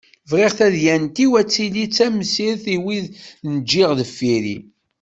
Bɣiɣ tadyant-iw ad tili d tamsirt i wid i n-ǧǧiɣ deffir-i.